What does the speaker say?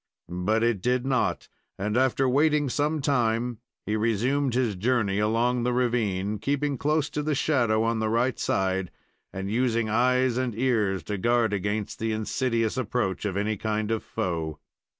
But it did not, and, after waiting some time, he resumed his journey along the ravine, keeping close to the shadow on the right side, and using eyes and ears to guard against the insidious approach of any kind of foe.